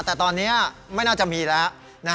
แต่ตอนนี้ไม่น่าจะมีแล้ว